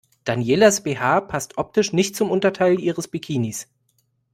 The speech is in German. Danielas BH passt optisch nicht zum Unterteil ihres Bikinis.